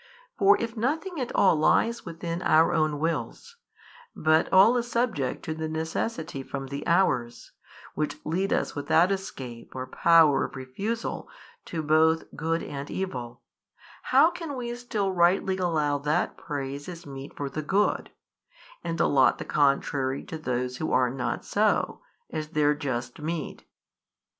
For if nothing at all lies within our own wills, but all is subject to the necessity from the hours, which lead us without escape or power of refusal to both [good and evil], how can we still rightly allow that praise is meet for the good, and allot the contrary to those who are not so, as their just meed?